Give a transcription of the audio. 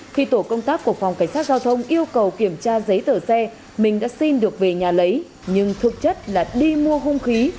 khi tổ công tác của phòng cảnh sát giao thông yêu cầu kiểm tra giấy tờ xe mình đã xin được về nhà lấy nhưng thực chất là đi mua hung khí